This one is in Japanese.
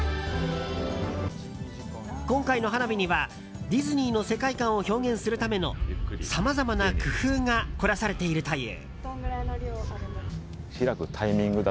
今回の花火にはディズニーの世界観を表現するためのさまざまな工夫が凝らされているという。